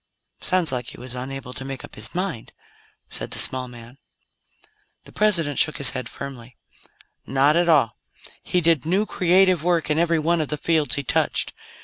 "Sounds like he was unable to make up his mind," said the small man. The President shook his head firmly. "Not at all. He did new, creative work in every one of the fields he touched.